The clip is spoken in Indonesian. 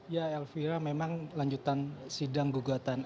ya elvira memang lanjutan sidang gugatan